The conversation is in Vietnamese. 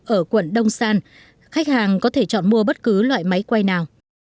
ở quận đông san khách hàng có thể chọn mua bất cứ loại máy quay nào